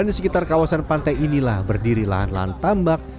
di sekitar kawasan pantai inilah berdiri lahan lahan tambak